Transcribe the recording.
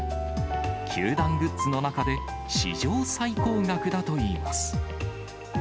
球団グッズの中で史上最高額だといいます。